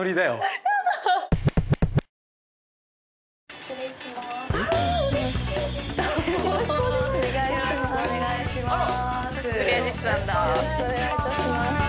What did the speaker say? よろしくお願いします！